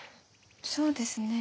そうですね。